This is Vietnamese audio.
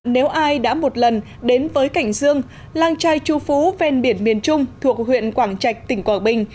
nếu ai đã một lần đến với cảnh dương lang trai chu phú ven biển miền trung thuộc huyện quảng trạch tỉnh quảng bình